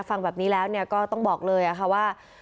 ฟังแบบนี้แล้วก็ต้องบอกเลยค่ะว่า